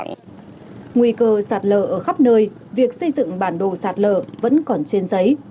nguy cơ sạt lở ở khắp nơi việc xây dựng bản đồ sạt lở vẫn còn trên giấy